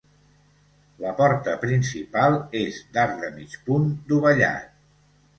La porta principal és d'arc de mig punt dovellat.